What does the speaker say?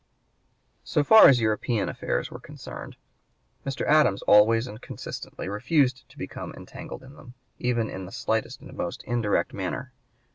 So far as European affairs were concerned, Mr. Adams always and consistently refused to become entangled in them, even in the slightest and most indirect manner.